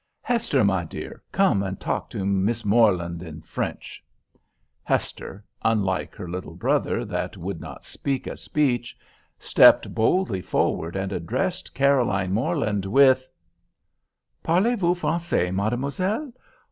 Hester, my dear, come and talk to Miss Morland in French." Hester (unlike her little brother that would not speak a speech) stepped boldly forward, and addressed Caroline Morland with: "_Parlez vous Français, mademoiselle?